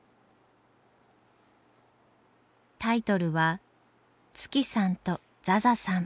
タイトルは「月さんとザザさん」。